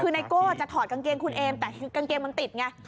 คือไนโก้จะถอดกางเกงคุณเอมแต่กางเกงมันติดไง